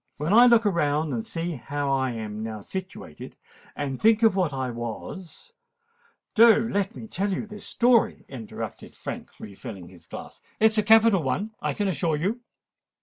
When I look around and see how I am now situated, and think of what I was——" "Do let me tell you this story," interrupted Frank, re filling his glass: "it is a capital one, I can assure you.